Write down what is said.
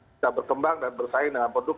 bisa berkembang dan bersaing dengan produk